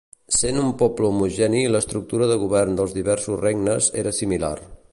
Sent un poble homogeni l'estructura de govern dels diversos regnes era similar.